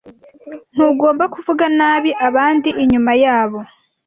Ntugomba kuvuga nabi abandi inyuma yabo.